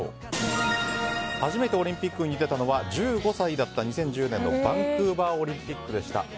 初めてオリンピックに出たのは１５歳だった２０１０年のバンクーバーオリンピックでした。